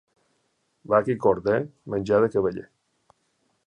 Vaca i corder, menjar de cavaller.